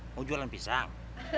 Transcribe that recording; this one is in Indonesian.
mau jualan pisang